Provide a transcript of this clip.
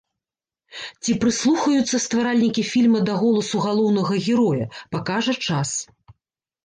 Ці прыслухаюцца стваральнікі фільма да голасу галоўнага героя, пакажа час.